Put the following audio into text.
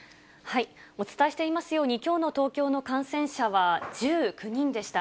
お伝えしていますように、きょうの東京の感染者は１９人でした。